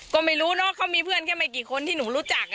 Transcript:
ก็ไม่รู้เนอะเขามีเพื่อนแค่ไม่กี่คนที่หนูรู้จัก